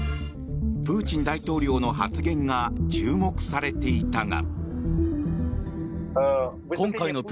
プーチン大統領の発言が注目されていたが。